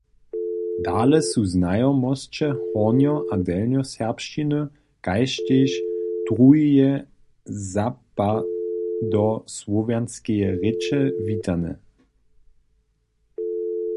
Dale su znajomosće hornjo- abo delnjoserbšćiny kaž tež druheje zapadosłowjanskeje rěče witane.